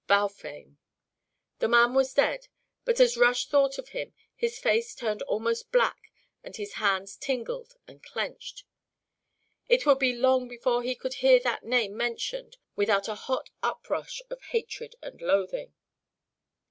Balfame! The man was dead, but as Rush thought of him his face turned almost black and his hands tingled and clenched. It would be long before he could hear that name mentioned without a hot uprush of hatred and loathing.